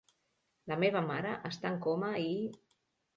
La meva mare està en coma i...